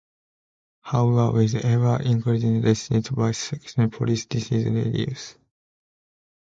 However with ever increasing restrictions by Sussex Police this is reduced.